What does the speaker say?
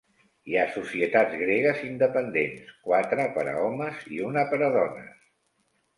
Hi ha societats gregues independents, quatre per a homes i una per a dones.